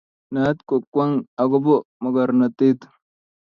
naat kootng'wang' akobo mokornatet